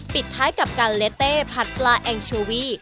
ปิดท้ายกับการเลเต้ผัดปลาแองโชวี